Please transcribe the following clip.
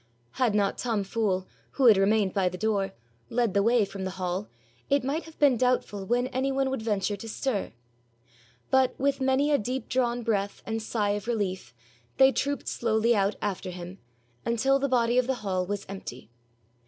Had not Tom Fool, who had remained by the door, led the way from the hall, it might have been doubtful when any one would venture to stir; but, with many a deep drawn breath and sigh of relief, they trooped slowly out after him, until the body of the hall was empty.